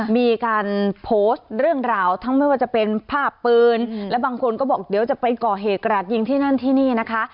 มีการโพสต์เรื่องราวทั้งไม่ว่าจะเป็นภาพปืนและบางคนก็บอกเดี๋ยวจะไปก่อเหตุกระดยิงที่นั่นที่นี่นะคะ